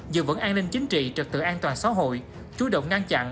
giữ vững an ninh chính trị trật tự an toàn xã hội chú động ngăn chặn